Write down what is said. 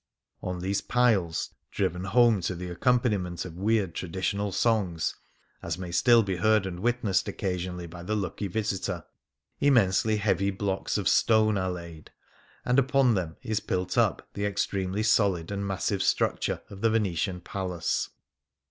On these piles, driven home to the accompaniment 44 ►J 3 < c «! .2 Eh i 0. O The Grand Canal of weird traditional songs (as may still be heard and witnessed occasionally by the lucky visitor) , immensely heavy blocks of stone are laid, and upon them is built up the extremely solid and massive structure of the Venetian palace.